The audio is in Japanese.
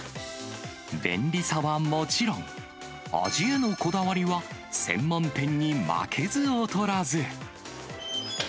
便利さはもちろん、味へのこだわりは専門店に負けず劣らず。